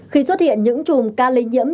khi xuất hiện những trùng ca lây nhiễm